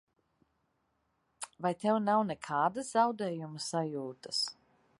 Vai tev nav nekādas zaudējuma sajūtas?